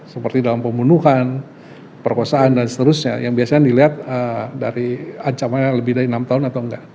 seperti dalam pembunuhan perkosaan dan seterusnya yang biasanya dilihat dari ancamannya lebih dari enam tahun atau enggak